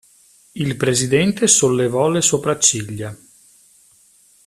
Il presidente sollevò le sopracciglia.